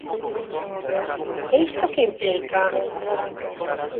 E isto que implica?